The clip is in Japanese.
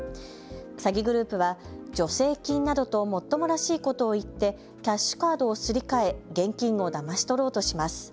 詐欺グループは助成金などともっともらしいことを言ってキャッシュカードをすり替え現金をだまし取ろうとします。